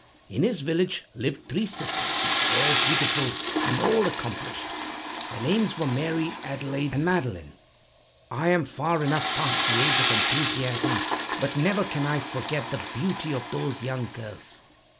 In this village lived three sisters, all beautiful and all accomplished. Their names were Mary, Adelaide, and Madeleine. I am far enough past the age of enthusiasm, but never can I forget the beauty of those young girls.